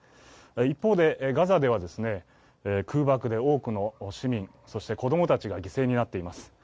一方でガザでは空爆で多くの市民、そして子供たちが犠牲になっています。